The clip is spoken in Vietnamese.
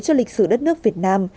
cho lịch sử đất nước việt nam